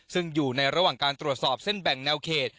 ซึ่งอยู่ในระหว่างการตรวจสอบเส้นแบ่งแนวเขต